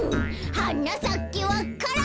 「はなさけわか蘭」